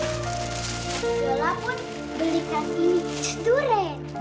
dola pun belikan ini